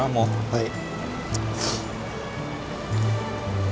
はい。